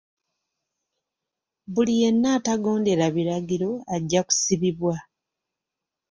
Buli yenna atagondera biragiro ajja kusibibwa.